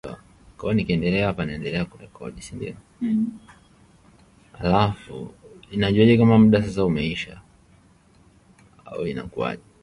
In "simple" examples of spacetime metrics the light cone is directed forward in time.